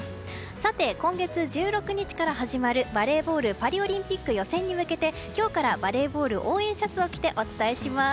さて、今月１６日から始まるバレーボールパリオリンピック予選に向けて今日からバレーボール応援シャツを着てお伝えします。